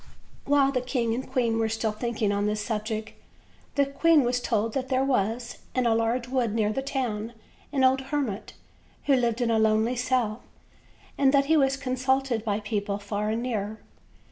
While the king and queen were still thinking on this subject, the queen was told that there was, in a large wood near the town, an old hermit, who lived in a lonely cell; and that he was consulted by people far and near.